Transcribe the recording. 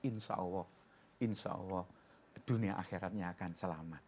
insya allah dunia akhiratnya akan selamat